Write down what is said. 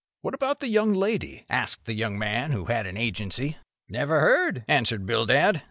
"What about the young lady?" asked the young man who had an Agency. "Never heard," answered Bildad.